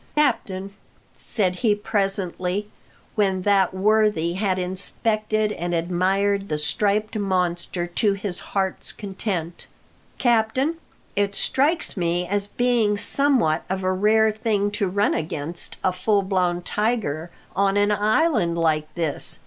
"Captain," said he presently, when that worthy had inspected and admired the striped monster to his heart's content, "Captain, it strikes me as being somewhat of a rare thing to run against a fullblown tiger on an island like this.